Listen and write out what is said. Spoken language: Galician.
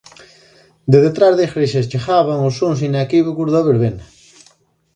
De detrás da igrexa chegaban os sons inequívocos da verbena.